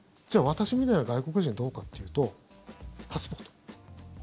私みたいな外国人どうかというと、パスポート。